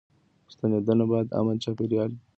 ستنېدنه بايد امن چاپيريال ولري.